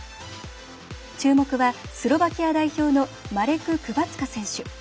注目は、スロバキア代表のマレク・クバツカ選手。